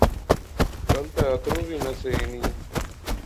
کل تے اتروں وی نہسے اینی